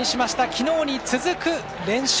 昨日に続く連勝。